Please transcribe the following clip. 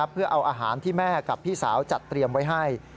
เพื่อเอาอาหารที่แม่กับพี่สาวจัดเตรียมไว้ให้